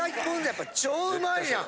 やっぱり超うまいやん。